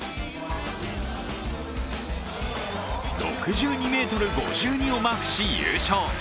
６２ｍ５２をマークし優勝。